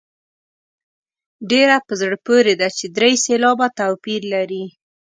ډېره په زړه پورې ده چې درې سېلابه توپیر لري.